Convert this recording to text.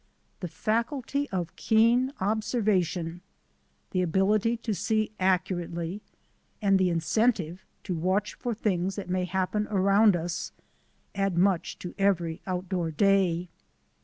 The faculty of keen observation, the ability to see accurately, and the incentive to watch for things that may happen around us, add much to every outdoor day.